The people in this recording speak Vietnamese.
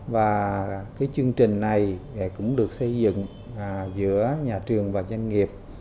và cái chương trình này cũng được xây dựng giữa nhà trường và doanh nghiệp